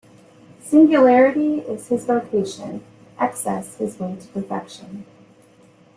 Singularity is his vocation, excess his way to perfection.